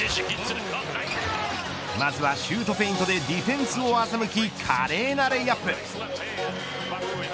まずはシュートフェイントでディフェンスをあざむき華麗なレイアップ。